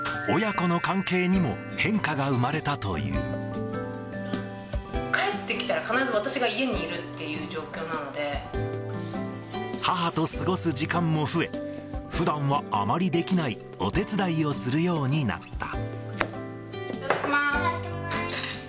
親子の関係にも変化が生まれ帰ってきたら、必ず私が家に母と過ごす時間も増え、ふだんはあまりできないお手伝いをするようになった。